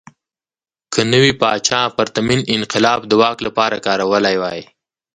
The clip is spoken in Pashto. که نوي پاچا پرتمین انقلاب د واک لپاره کارولی وای.